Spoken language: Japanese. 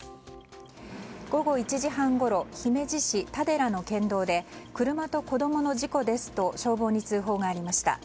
午後１時半ごろ姫路市田寺の県道で車と子供の事故ですと消防に通報がありました。